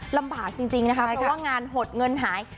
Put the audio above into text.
ลำบากจริงนะคะเพราะว่างานหดเงินหาย